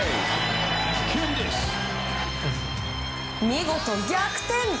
見事、逆転！